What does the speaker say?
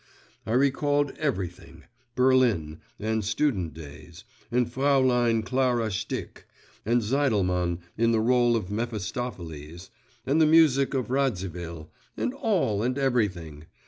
I recalled everything: Berlin, and student days, and Fräulein Clara Stick, and Zeidelmann in the rôle of Mephistopheles, and the music of Radzivil, and all and everything.